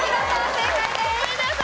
正解です。